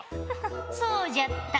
そうじゃった。